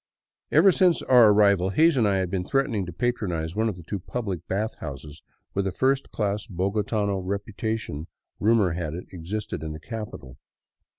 Ever since our arrival Hays and I had been threatening to patronize one of the two public bath houses with a first class bogotano repu tation rumor had it existed in the capital.